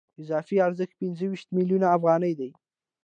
اضافي ارزښت پنځه ویشت میلیونه افغانۍ دی